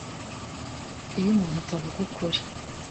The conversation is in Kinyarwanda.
Iyo umuntu atavuga ukuri